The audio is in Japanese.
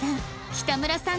北村さん